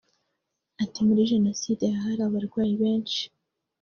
Ati “Muri Jenoside aha hari abarwayi benshi